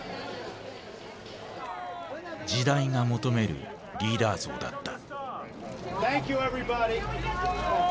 時代が求めるリーダー像だった。